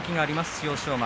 千代翔馬。